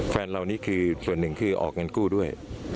แฟนเรานี่คือส่วนหนึ่งคือออกเงินกู้ด้วย